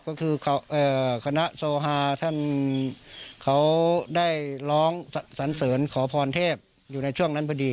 ก็คือคณะโซฮาท่านเขาได้ร้องสันเสริญขอพรเทพอยู่ในช่วงนั้นพอดี